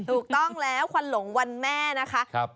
ถูกต้องแล้วควันหลงวันแม่นะคะ